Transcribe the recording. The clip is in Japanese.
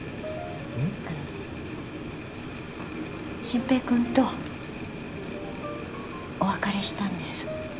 真平君とお別れしたんです。